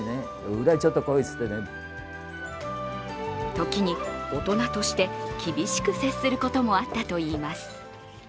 時に大人として厳しく接することもあったといいます。